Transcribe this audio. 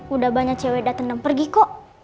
udah banyak cewek datang dan pergi kok